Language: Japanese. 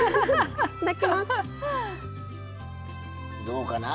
どうかな？